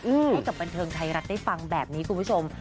ให้กับบันเทิงไทยรัฐได้ฟังแบบนี้คุณผู้ชม